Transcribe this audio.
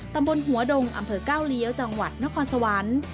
ตำบลหัวดงอำเภอก้าวเลี้ยวจังหวัดนครสวรรค์